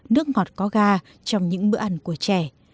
nước ngọt có ga trong những bữa ăn của trẻ